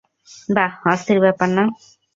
বাহ, অস্থির ব্যাপার না?